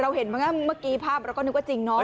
เห็นเมื่อกี้ภาพเราก็นึกว่าจริงเนาะ